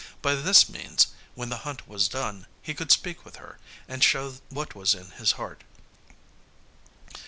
By this means when the hunt was done, he could speak with her, and show what was in his heart.